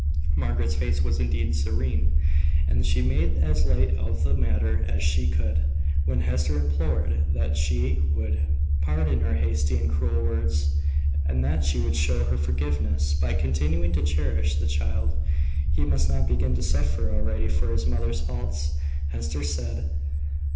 Margaret's face was indeed serene, and she made as light of the matter as she could, when Hester implored that she would pardon her hasty and cruel words, and that she would show her forgiveness by continuing to cherish the child. He must not begin to suffer already for his mother's faults, Hester said.